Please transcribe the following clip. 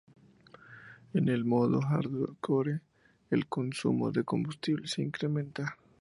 En el modo hardcore, el consumo de combustible se incrementa.